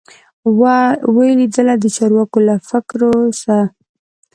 وه لوېدلي د چارواکو له فکرو سه